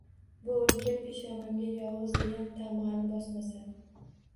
Bu o’lka peshonamga yolg’iz degan tamg’ani bosmasa…